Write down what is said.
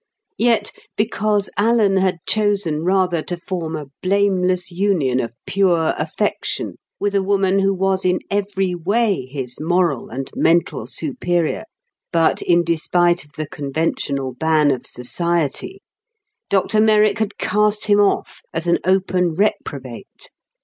Yet, because Alan had chosen rather to form a blameless union of pure affection with a woman who was in every way his moral and mental superior, but in despite of the conventional ban of society, Dr Merrick had cast him off as an open reprobate.